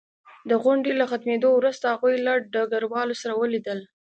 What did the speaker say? د غونډې له ختمېدو وروسته هغوی له ډګروال سره ولیدل